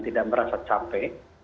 tidak merasa capek